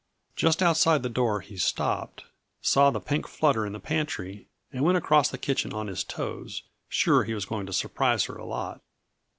Just outside the door he stopped, saw the pink flutter in the pantry and went across the kitchen on his toes; sure, he was going to surprise her a lot!